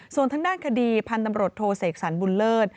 ส่วนทางด้านคดีพันธุ์ตำรวจโทเสกสรรบุญเลิศ